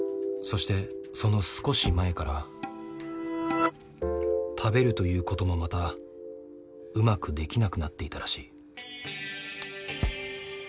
そしてその少し前から食べるということもまたうまくできなくなっていたらしい。